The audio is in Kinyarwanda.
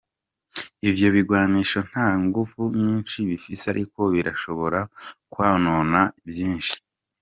Ivyo bigwanisho nta nguvu nyinshi bifise ariko birashobora kwonona vyinshi.